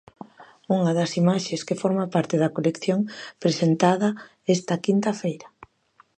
Unha das imaxes que forma parte da colección presentada esta quinta feira.